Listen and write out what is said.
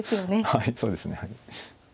はいそうですね。